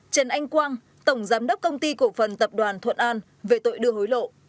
trần anh quang tổng giám đốc công ty cổ phần tập đoàn thuận an về tội đưa hối lộ